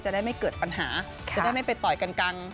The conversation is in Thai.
ได้ไม่เกิดปัญหาจะได้ไม่ไปต่อยกันกลาง